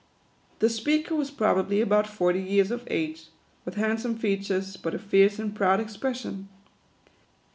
The speaker was probably about forty years of age, with handsome features, but a fierce and proud expression.